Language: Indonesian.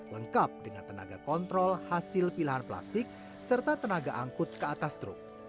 lengkap dengan tenaga kontrol hasil pilahan plastik serta tenaga angkut ke atas truk